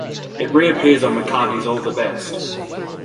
It reappears on McCartney's All the Best!